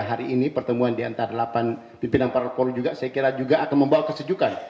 hari ini pertemuan diantara delapan pimpinan parokor juga saya kira juga akan membawa kesejukan